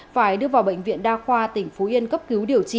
phải đưa vào bệnh viện đa khoa tỉnh phú yên cấp cứu điều trị